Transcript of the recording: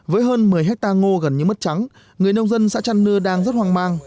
với hơn một mươi hectare ngô gần như mất trắng người nông dân xã trăn nưa đang rất hoang mang